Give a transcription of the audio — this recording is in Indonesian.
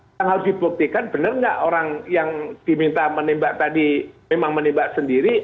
yang harus dibuktikan benar nggak orang yang diminta menembak tadi memang menembak sendiri